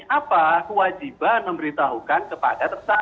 apa kewajiban memberitahukan kepada tersangka